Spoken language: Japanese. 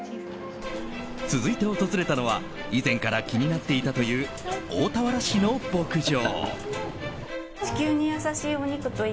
続いて訪れたのは以前から気になっていたという大田原市の牧場。